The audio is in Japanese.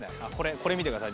これ見てください